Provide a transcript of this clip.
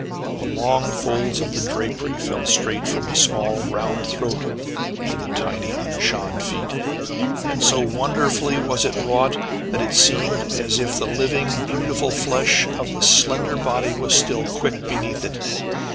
The long folds of the drapery fell straight from the small, round throat to the tiny unshod feet, and so wonderfully was it wrought, that it seemed as if the living beautiful flesh of the slender body was still quick beneath it.